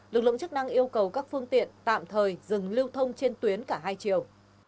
lực lượng chức năng yêu cầu các phương tiện tạm thời dừng lưu thông trên tuyến cả hai chiều